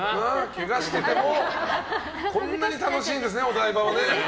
けがしててもこんなに楽しいんですね。